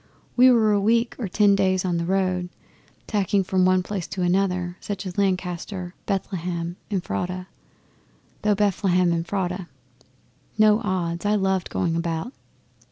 We were a week or ten days on the road, tacking from one place to another such as Lancaster, Bethlehem Ephrata "thou Bethlehem Ephrata." No odds I loved the going about.